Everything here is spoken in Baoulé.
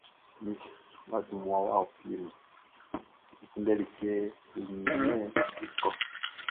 Mi si wʼa dun mmua wʼa ɔ fieʼn nun N kunndɛli kɛ e nin i é kɔ́.